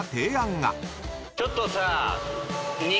ちょっとさ。